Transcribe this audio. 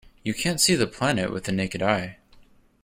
You can't see the planet with the naked eye.